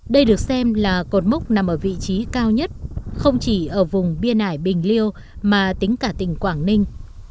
đây được xem là cột mốc nằm ở vị trí cao nhất không chỉ ở vùng biên ải bình liêu mà tính cả tỉnh quảng ninh